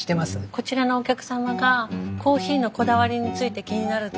こちらのお客様がコーヒーのこだわりについて気になるって。